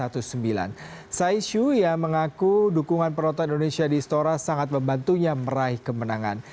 tsai hsiu ying mengaku dukungan perotak indonesia di stora sangat membantunya meraih kemenangan